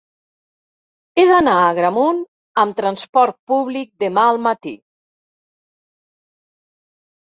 He d'anar a Agramunt amb trasport públic demà al matí.